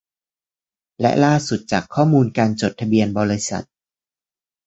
และล่าสุดจากข้อมูลการจดทะเบียนบริษัท